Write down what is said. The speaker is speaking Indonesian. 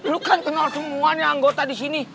lu kan kenal semuanya anggota disini